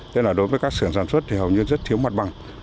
tức là đối với các xưởng sản xuất thì hầu như rất thiếu mặt bằng